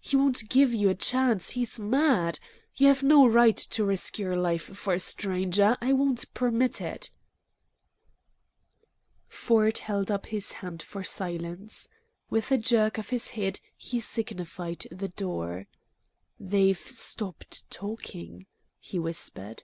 He won't give you a chance. He's mad. You have no right to risk your life for a stranger. I'll not permit it " Ford held up his hand for silence. With a jerk of his head he signified the door. "They've stopped talking," he whispered.